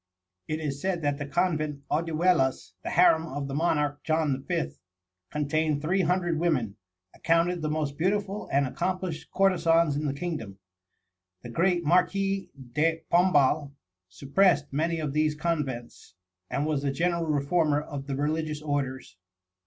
It is said that the convent Odivelas, the harem of the monarch John V., contained three hundred women, accounted the most beautiful and accomplished courtesans in the kingdom. The great Marquis de Pombal suppressed many of these convents, and was the general reformer of the religious orders.